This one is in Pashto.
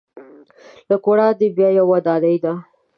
لږ وړاندې بیا یوه ودانۍ ده.